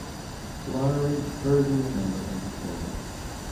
Flowering occurs in November and December.